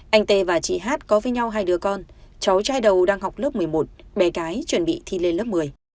anh t và chị h có với nhau hai đứa con cháu trai đầu đang học lớp một mươi một bé cái chuẩn bị thi lên lớp một mươi